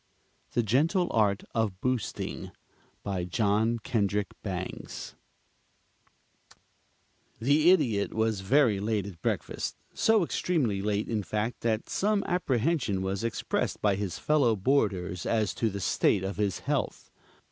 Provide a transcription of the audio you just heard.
THE GENTLE ART OF BOOSTING BY JOHN KENDRICK BANGS The Idiot was very late at breakfast, so extremely late in fact that some apprehension was expressed by his fellow boarders as to the state of his health.